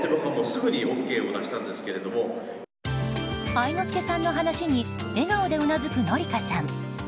愛之助さんの話に笑顔でうなずく紀香さん。